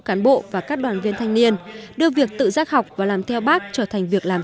cán bộ và các đoàn viên thanh niên đưa việc tự giác học và làm theo bác trở thành việc làm